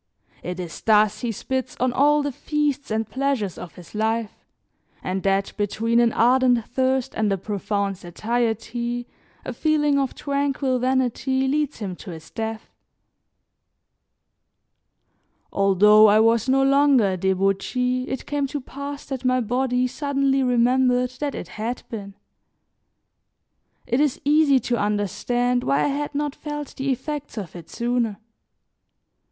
It is thus he spits on all the feasts and pleasures of his life, and that between an ardent thirst and a profound satiety a feeling of tranquil vanity leads him to his death. Although I was no longer a debauchee it came to pass that my body suddenly remembered that it had been. It is easy to understand why I had not felt the effects of it sooner.